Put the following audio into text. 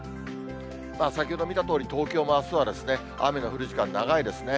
先ほど見たとおり、東京もあすは雨の降る時間長いですね。